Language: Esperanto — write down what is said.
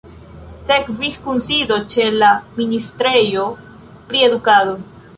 Sekvis kunsido ĉe la ministrejo pri edukado.